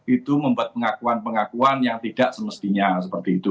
itu membuat pengakuan pengakuan yang tidak semestinya seperti itu